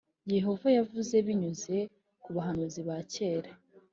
Yehova yavuze binyuze ku bahanuzi ba kera.